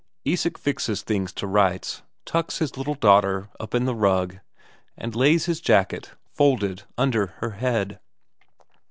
Isak fixes things to rights, tucks his little daughter up in the rug, and lays his jacket folded under her head.